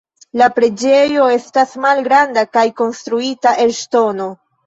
La preĝejo estas malgranda kaj konstruita el ŝtono.